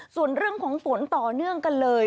ส่วนเรื่องของฝนต่อเนื่องกันเลย